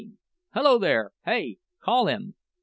Hello, there! Hey! Call him!"